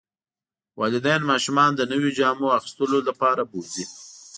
والدین ماشومان د نویو جامو اخیستلو لپاره بوځي.